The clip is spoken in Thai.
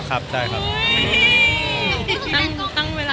จับให้ด้านไปก่อน